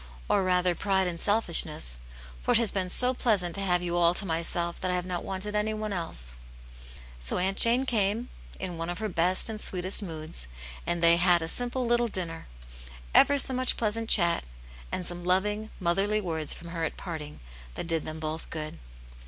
Or rather, pride and selfishness, for it has been so pleasant to have you all to myself that I have not wanted anyone else." So Aunt Jane camei, in one of her best and sweetest moods, and they had a simple little dinner, ever so much pleasant chat, and some loving, motherly words from her at parting, that did them both good.